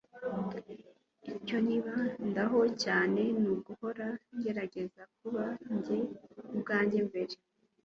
icyo nibandaho cyane ni uguhora ngerageza kuba njye ubwanjye mbere